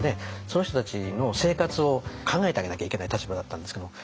その人たちの生活を考えてあげなきゃいけない立場だったんですけども。